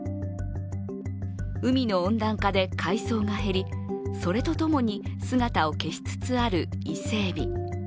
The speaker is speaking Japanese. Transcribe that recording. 海の温暖化で海藻が減りそれとともに姿を消しつつある伊勢えび。